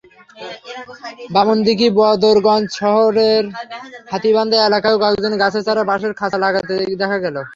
বামনদিঘী-বদরগঞ্জ সড়কের হাতিবান্ধা এলাকায়ও কয়েকজনকে গাছের চারায় বাঁশের খাঁচা লাগাতে দেখা গেল।